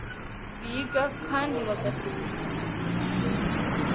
biga kandi bagatsinda